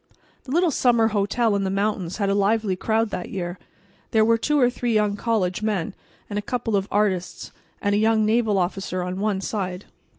The little summer hotel in the mountains had a lively crowd that year. There were two or three young college men and a couple of artists and a young naval officer on one side.